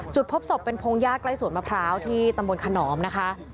พบศพเป็นพงยากใกล้สวนมะพร้าวที่ตำบลขนอมนะคะ